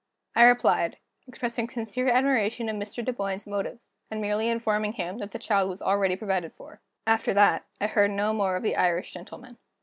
I replied, expressing sincere admiration of Mr. Dunboyne's motives, and merely informing him that the child was already provided for. After that, I heard no more of the Irish gentleman.